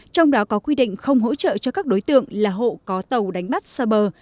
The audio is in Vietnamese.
trong đó có quy định không hỗ trợ cho các đối tượng là hộ có tàu đánh bắt xa bờ